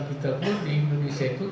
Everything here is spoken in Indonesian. kita pun di indonesia itu